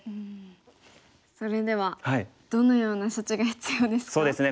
それではどのような処置が必要ですか？